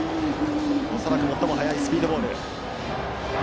恐らく最も速いスピードボール。